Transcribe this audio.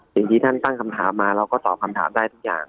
สิ่งที่ท่านตั้งคำถามมาเราก็ตอบคำถามได้ทุกอย่าง